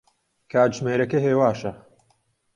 کاتژمێرەکە هێواشە.